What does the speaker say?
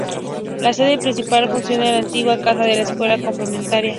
La sede principal funciona en la antigua casa de la Escuela Complementaria.